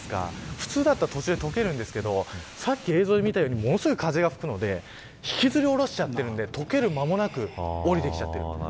普通だったら途中で解けるんですけどさっき映像で見たようにものすごい風が吹くので引きずり下ろしちゃっているので溶ける間もなくおりてきちゃっている。